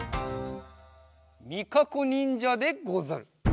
みかこにんじゃでござる！